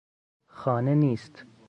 خانه نیست.